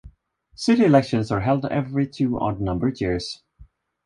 City elections are held every two odd numbered years.